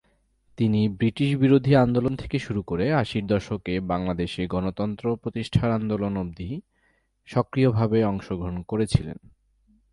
তিনি ব্রিটিশবিরোধী আন্দোলন থেকে শুরু করে আশির দশকে বাংলাদেশে গণতন্ত্র প্রতিষ্ঠার আন্দোলন অবধি সক্রিয়ভাবে অংশগ্রহণ করেছিলেন।